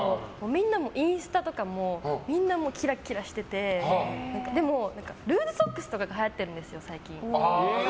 みんなインスタとかもみんなキラキラしててでもルーズソックスとかがはやってるんですよ、最近。